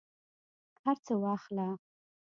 هرڅه واخله